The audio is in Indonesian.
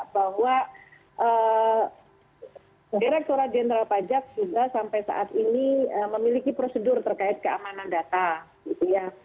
bahwa direkturat jenderal pajak juga sampai saat ini memiliki prosedur terkait keamanan data gitu ya